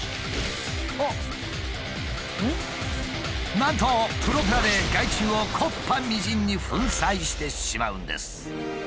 なんとプロペラで害虫を木っ端みじんに粉砕してしまうんです。